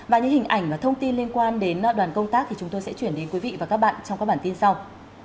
và những hình ảnh và thông tin liên quan đến đoàn công tác thì chúng tôi sẽ chuyển đến quý vị và các bạn trong các bản tin sau